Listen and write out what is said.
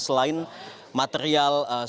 selain material banjir